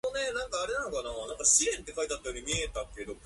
奈良県葛城市